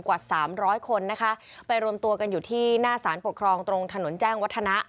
กว่าสามร้อยคนนะคะไปรวมตัวกันอยู่ที่หน้าสารปกครองตรงถนนแจ้งวัฒนะ